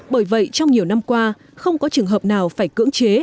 bởi vậy trong nhiều năm qua không có trường hợp nào phải cưỡng chế